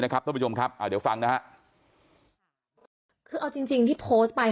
เอาจริงที่โพสต์ไป